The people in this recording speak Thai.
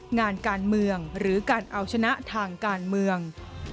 งานการเมืองหรือการเอาชนะทางการเมือง